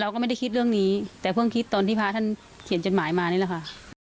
ก็ไม่ได้คิดเรื่องนี้แต่เพิ่งคิดตอนที่พระท่านเขียนจดหมายมานี่แหละค่ะ